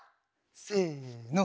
せの。